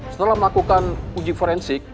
setelah melakukan uji forensik